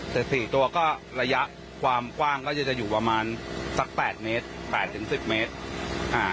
แต่สี่ตัวก็ระยะความกว้างก็จะจะอยู่ประมาณสักแปดเมตรแปดถึงสิบเมตรอ่า